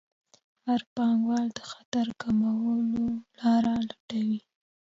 هر پانګوال د خطر کمولو لارې لټوي.